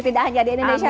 tidak hanya di indonesia